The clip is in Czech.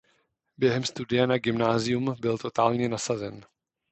Během studia na gymnázium byl totálně nasazen.